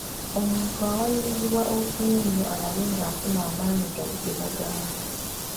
Omuntu awalirizibwa okunywa ennyo alabe ng'afuna amaanyi gali ge bagamba.